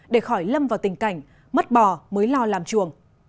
để khỏi lâm vào tình cảnh mất bò mới lo làm chuồng